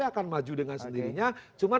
akan maju dengan sendirinya cuma